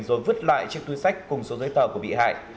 rồi vứt lại chiếc túi sách cùng số giấy tờ của bị hại